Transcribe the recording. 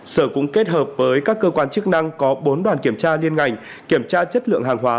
sở cũng kết hợp với các cơ quan chức năng có bốn đoàn kiểm tra liên ngành kiểm tra chất lượng hàng hóa